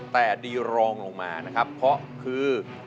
แต่ดีรองลงมานะครับเพราะคือ